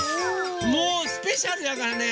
もうスペシャルだからね